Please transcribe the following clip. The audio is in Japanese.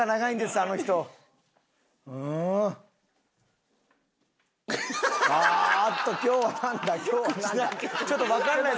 ああっと今日はなんだ？今日はなんだ？